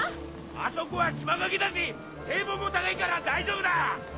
あそこは島陰だし堤防も高いから大丈夫だ！